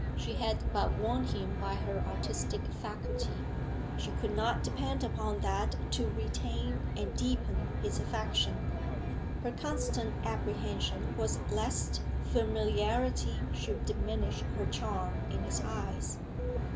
She had but won him by her artistic faculty; she could not depend upon that to retain and deepen his affection. Her constant apprehension was lest familiarity should diminish her charm in his eyes.